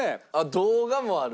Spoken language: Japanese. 動画がある？